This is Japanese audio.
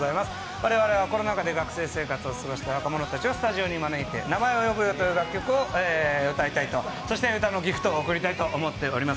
我々はコロナ禍で学生生活をしていた若者たちを招いて「名前を呼ぶよ」という楽曲を歌いたいと、そして歌のＧＩＦＴを贈りたいと思っております。